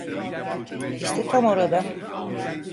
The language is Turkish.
İşte tam orada.